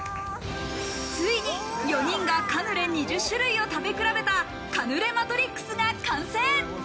ついに４人がカヌレ２０種類を食べ比べたカヌレマトリックスが完成。